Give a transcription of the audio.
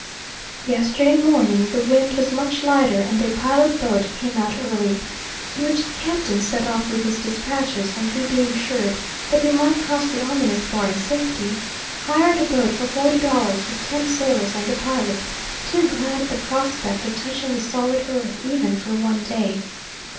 Yesterday morning the wind was much lighter, and a pilot boat came out early, in which the captain set off with his despatches; and we being assured that we might cross the ominous bar in safety, hired a boat for forty dollars, with ten sailors and a pilot, too glad at the prospect of touching the solid earth even for one day.